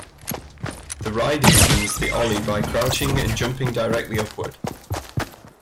The rider begins the ollie by crouching and jumping directly upward.